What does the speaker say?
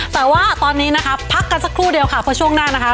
แต่ว่าตอนนี้นะคะพักกันสักครู่เดียวค่ะเพราะช่วงหน้านะคะ